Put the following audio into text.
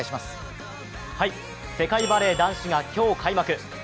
世界バレー男子が今日開幕。